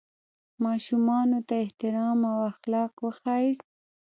ماشومانو ته احترام او اخلاق وښیاست.